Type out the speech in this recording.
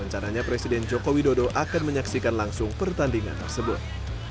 rencananya presiden joko widodo akan menyaksikan langsung pertandingan tersebut